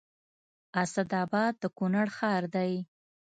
اسداباد د کونړ ښار دی